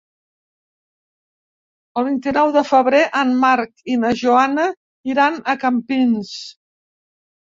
El vint-i-nou de febrer en Marc i na Joana iran a Campins.